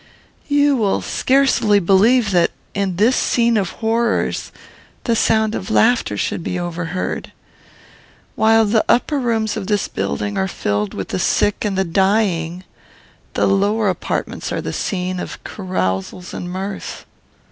"You will scarcely believe that, in this scene of horrors, the sound of laughter should be overheard. While the upper rooms of this building are filled with the sick and the dying, the lower apartments are the scene of carousals and mirth.